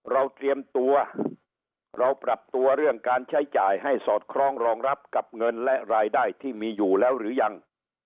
เราเตรียมตัวเราปรับตัวเรื่องการใช้จ่ายให้สอดคล้องรองรับกับเงินและรายได้ที่มีอยู่แล้วหรือยัง